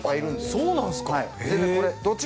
そうなんですか！